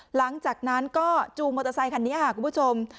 หลังจากนั้นก็จูงมอเตอร์ไซคันนี้ค่ะคุณผู้ชม